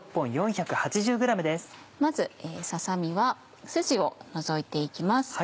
まずささ身はスジを除いて行きます。